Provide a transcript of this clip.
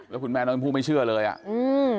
แล้วคุณแม่ชมพู่ไม่เชื่อเลยฮะอื้อ